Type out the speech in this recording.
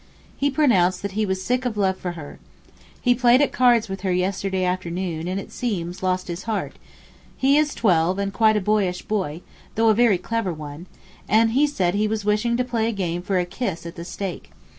He pronounced that he was sick of love for her. He played at cards with her yesterday afternoon and it seems lost his heart (he is twelve and quite a boyish boy, though a very clever one) and he said he was wishing to play a game for a kiss as the stake.